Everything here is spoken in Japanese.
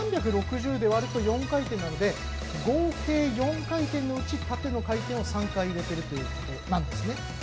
３６０で割ると４回転なので合計４回転のうち、縦回転を３回入れているということなんですね。